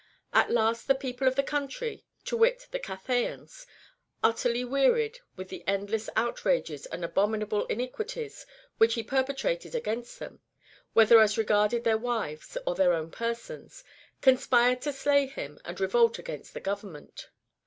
At la$t the people of the country, to wit the Cathayans, utterly wearied with the endless outrages and abominable iniquities which he perpetrated against them, whether as regarded their wives or their own persons, conspired to slay him and revolt against the government.